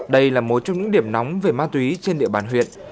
đây là một trong những điểm nóng về ma túy trên địa bàn huyện